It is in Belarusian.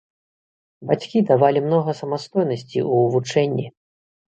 Бацькі давалі многа самастойнасці ў вучэнні.